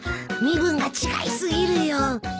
身分が違いすぎるよ。